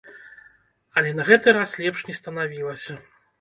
Але на гэты раз лепш не станавілася.